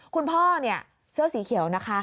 คุณพ่อเนี่ยเสื้อสีเขียวนะคะ